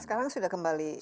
sekarang sudah kembali normal